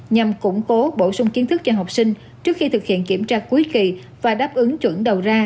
nhằm củng cố bổ sung kiến thức cho học sinh trước khi thực hiện kiểm tra cuối kỳ và đáp ứng chuẩn đầu ra